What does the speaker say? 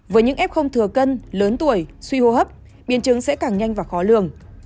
với những f thừa cân lớn tuổi suy hô hấp biến chứng sẽ càng nhanh và khó lường